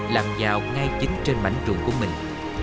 làm dạo ngay chính trên mảnh trường của mình